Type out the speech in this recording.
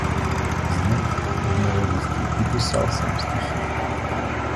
Знаете, в молодости и писал сам стихи.